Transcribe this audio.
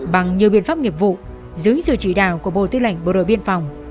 bằng nhiều biện pháp nghiệp vụ dưới sự chỉ đạo của bộ tư lệnh bộ đội biên phòng